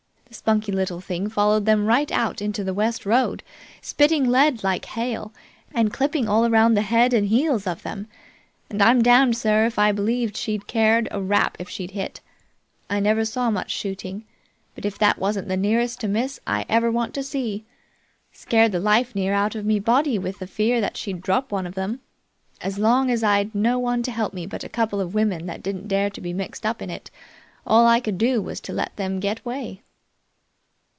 The spunky little thing followed them right out into the west road, spitting lead like hail, and clipping all around the heads and heels of them; and I'm damned, sir, if I believe she'd cared a rap if she'd hit. I never saw much shooting, but if that wasn't the nearest to miss I ever want to see! Scared the life near out of me body with the fear that she'd drop one of them. As long as I'd no one to help me but a couple of women that didn't dare be mixed up in it, all I could do was to let them get away."